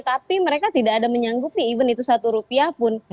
tapi mereka tidak ada menyanggupi even itu satu rupiah pun